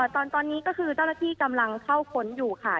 ตอนนี้ก็คือเจ้าหน้าที่กำลังเข้าค้นอยู่ค่ะ